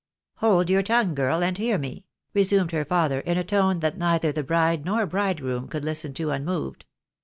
"" Hold your tongue, girl, and hear me !" resumed her father, in a tone that neither the bride nor bridgroom could listen to un moved.